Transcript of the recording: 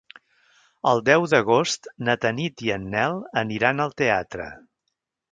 El deu d'agost na Tanit i en Nel aniran al teatre.